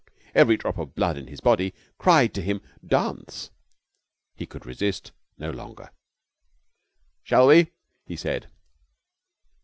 Every drop of blood in his body cried to him 'Dance!' He could resist no longer. 'Shall we?' he said.